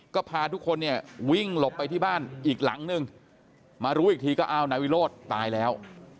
ก็พาทุกคนเนี่ยวิ่งหลบไปที่บ้านอีกหลังนึงมารู้อีกทีก็อ้าวนายวิโรธตายแล้ว